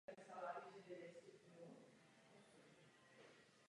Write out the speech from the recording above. Základní školy jsou v okolních obcích.